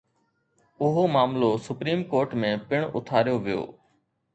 اهو معاملو supreme court ۾ پڻ اٿاريو ويو.